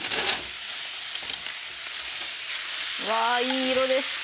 うわいい色です！